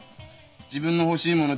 自分の欲しいもの